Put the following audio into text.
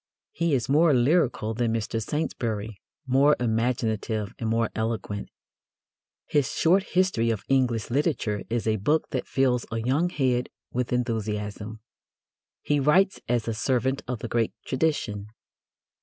He is more lyrical than Mr. Saintsbury, more imaginative and more eloquent. His short history of English literature is a book that fills a young head with enthusiasm. He writes as a servant of the great tradition.